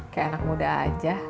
kayak anak muda aja